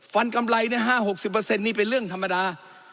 ฝันกำไรเนี่ย๕๖๐นี่เป็นเรื่องธรรมดา